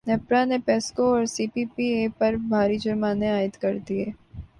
نیپرا نے پیسکو اور سی پی پی اے پر بھاری جرمانے عائد کردیے